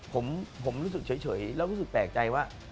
ผมรู้สึกเฉยแล้วรู้สึกแปลกใจว่า